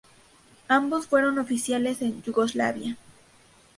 Ambos fueron oficiales en Yugoslavia.